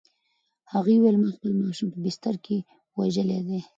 هغې وویل: "ما خپل ماشوم په بستر کې وژلی دی؟"